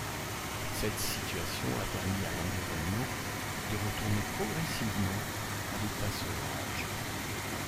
Cette situation a permis à l'environnement de retourner progressivement à l'état sauvage.